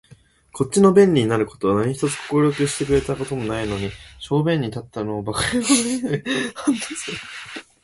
こっちの便利になる事は何一つ快くしてくれた事もないのに、小便に立ったのを馬鹿野郎とは酷い